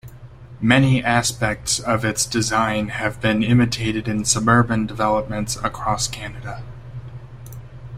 Many aspects of its design have been imitated in suburban developments across Canada.